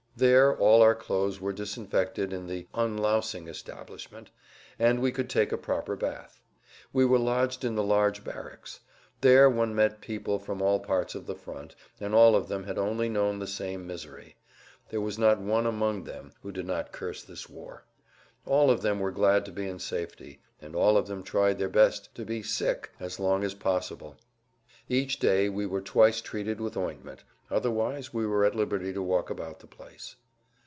There all our clothes were disinfected in the "unlousing establishment," and we could take a proper bath. We were lodged in the large barracks. There one met people from all parts of the front, and all of them had only known the same misery; there was not one among them who did not curse this war. All of them were glad to be in safety, and all of them tried their best to be "sick" as long as possible. Each day we were twice treated with ointment; otherwise we were at liberty to walk about the place.